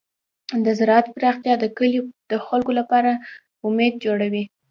د زراعت پراختیا د کلیو د خلکو لپاره امید جوړوي.